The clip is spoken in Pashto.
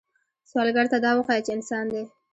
سوالګر ته دا وښایه چې انسان دی